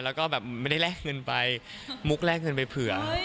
แล้วก็แบบไม่ได้แลกเงินไปมุกแลกเงินไปเผื่อ